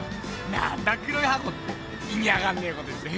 なんだ黒い箱って意味わかんねえこと言って。